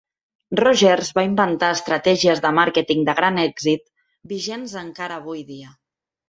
Rogers va inventar estratègies de màrqueting de gran èxit, vigents encara avui dia.